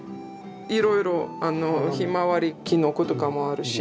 いろいろヒマワリキノコとかもあるし。